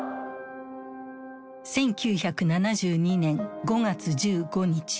１９７２年５月１５日。